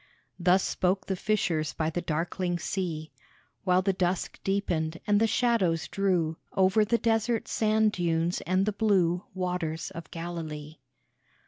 Thus spoke the fishers by the darkling sea, While the dusk deepened, and the shadows drew Over the desert sand dunes and the blue Waters of Galilee.